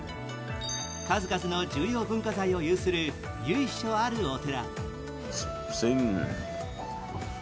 数々の重要文化財を有する由緒あるお寺。